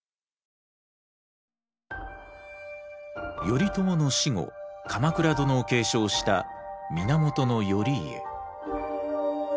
頼朝の死後鎌倉殿を継承した源頼家。